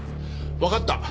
わかった。